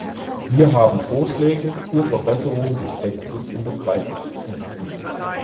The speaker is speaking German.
Wir haben Vorschläge zur Verbesserung des Textes unterbreitet.